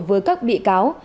với các bị cáo